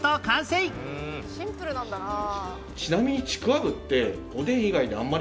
シンプルなんだなあ。